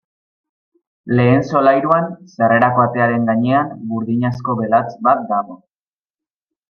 Lehen solairuan, sarrerako atearen gainean, burdinazko belatz bat dago.